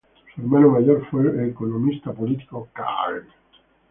Su hermano mayor fue el economista político Karl.